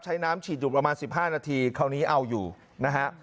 น้ำฉีดอยู่ประมาณ๑๕นาทีคราวนี้เอาอยู่นะฮะ